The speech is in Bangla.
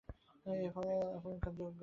এই ফল আপনকার যোগ্য, আপনি গ্রহণ করুন।